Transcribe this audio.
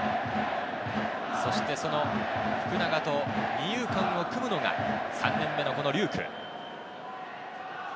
そしてその福永と二遊間を組むのが３年目のこの龍空。